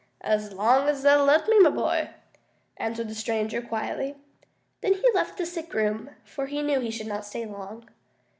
"As long as they'll let me, my boy," answered the stranger quietly. Then he left the sick room, for he knew he should not stay long.